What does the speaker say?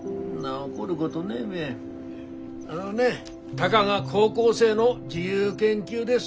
あのねたかが高校生の自由研究です。